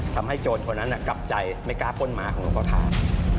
โจรคนนั้นกลับใจไม่กล้าป้นม้าของหลวงพ่อถาม